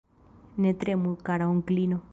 Ne tremu, kara onklino.